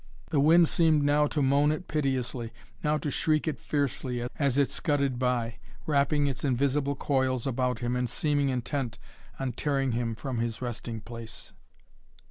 The wind seemed now to moan it piteously, now to shriek it fiercely, as it scudded by, wrapping its invisible coils about him and seeming intent on tearing him from his resting place.